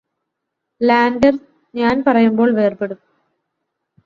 lander ഞാന് പറയുമ്പോള് വേര്പെടും